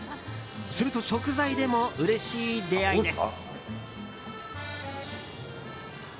すると食材でもうれしい出会いです。